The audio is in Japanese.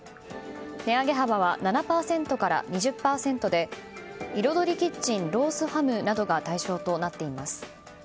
値上げ幅は７％から２０％で彩りキッチンロースハムなどが対象となっています。